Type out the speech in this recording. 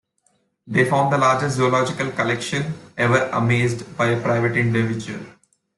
They formed the largest zoological collection ever amassed by a private individual.